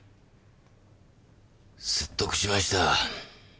説得しました。